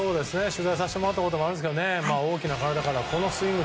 取材させてもらったこともあるんですけど大きな体からこのスイング。